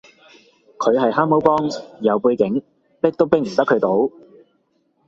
佢係蛤蟆幫，有背景，逼都逼唔得佢到